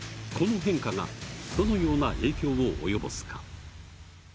この変化がどのような影響を及ぼすか。